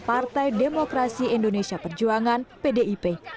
partai demokrasi indonesia perjuangan pdip